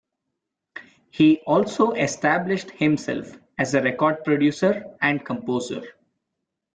He also established himself as a record producer and composer.